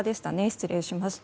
失礼しました。